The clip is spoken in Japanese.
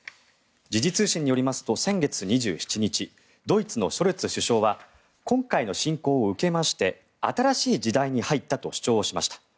時事通信によりますと先月２７日ドイツのショルツ首相は今回の侵攻を受けまして新しい時代に入ったと主張しました。